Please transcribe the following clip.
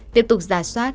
tiếp tục giả soát